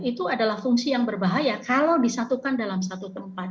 itu adalah fungsi yang berbahaya kalau disatukan dalam satu tempat